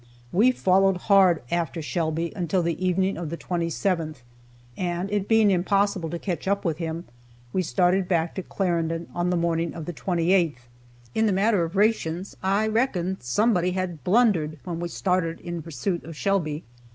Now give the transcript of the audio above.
We followed hard after Shelby until the evening of the 27th, and it being impossible to catch up with him, we started back to Clarendon on the morning of the 28th. In the matter of rations I reckon "someone had blundered," when we started in pursuit of Shelby.